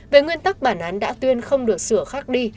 về nguyên tắc bản án đã tuyên không được sửa khác đi